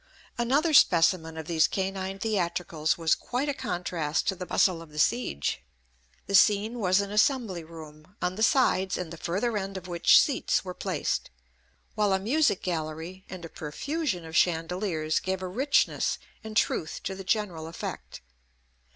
Another specimen of these canine theatricals was quite a contrast to the bustle of the siege. The scene was an assembly room, on the sides and the further end of which seats were placed; while a music gallery, and a profusion of chandeliers, gave a richness and truth to the general effect.